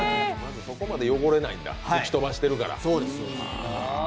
そこまで汚れないんだ吹き飛ばしてるから。